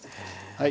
はい。